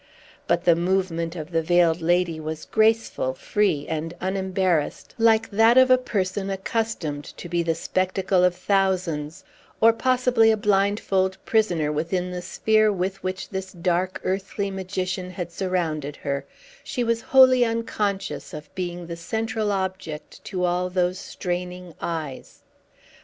But the movement of the Veiled Lady was graceful, free, and unembarrassed, like that of a person accustomed to be the spectacle of thousands; or, possibly, a blindfold prisoner within the sphere with which this dark earthly magician had surrounded her, she was wholly unconscious of being the central object to all those straining eyes.